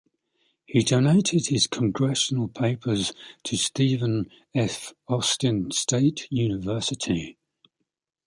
He donated his congressional papers to Stephen F. Austin State University.